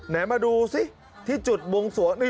ไหนมาดูสิที่จุดมุงสวน